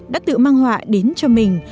đã tự mang họa đến cho mình